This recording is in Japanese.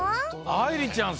あいりちゃん